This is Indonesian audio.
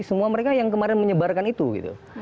semua mereka yang kemarin menyebarkan itu gitu